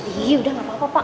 ih udah enggak apa apa pak